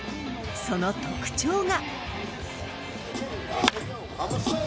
その特徴が。